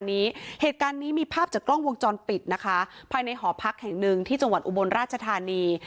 เหตุการณ์นี้มีภาพจากกล้องวงจรปิดนะคะภายในหอพักแห่งหนึ่งที่จังหวัดอุบลราชธานี